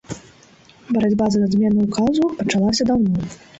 Барацьба за адмену ўказу пачалася даўно.